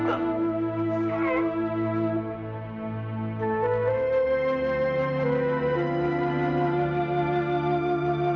aku mencintai hissabi